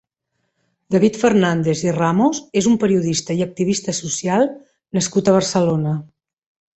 David Fernàndez i Ramos és un periodista i activista social nascut a Barcelona.